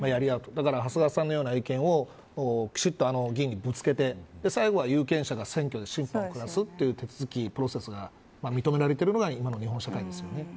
だから長谷川さんのような意見をきちっと、あの議員にぶつけて最後は有権者が選挙で審判を下すというプロセスが認められてるが今の日本社会ですね。